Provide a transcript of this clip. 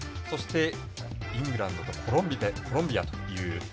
そして、イングランドとコロンビアという。